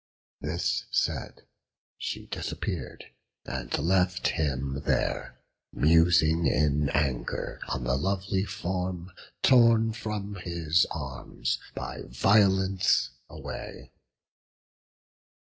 This said, she disappear'd; and left him there Musing in anger on the lovely form Tom from his arms by violence away.